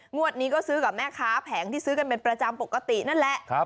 งวดนี้ก็ซื้อกับแม่ค้าแผงที่ซื้อกันเป็นประจำปกตินั่นแหละ